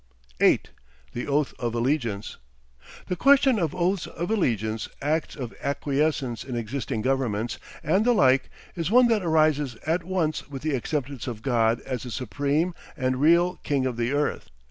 8. THE OATH OF ALLEGIANCE The question of oaths of allegiance, acts of acquiescence in existing governments, and the like, is one that arises at once with the acceptance of God as the supreme and real King of the Earth.